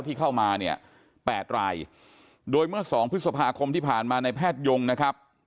ที่เข้ามาเนี่ย๘รายโดยเมื่อสองพฤษภาคมที่ผ่านมาในแพทยงนะครับ